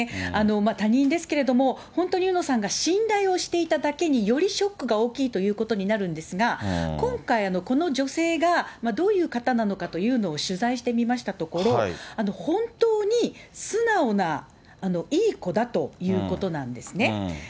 他人ですけれども、本当にうのさんが信頼をしていただけに、よりショックが大きいということになるんですが、今回、この女性がどういう方なのかというのを取材してみましたところ、本当に素直ないい子だということなんですね。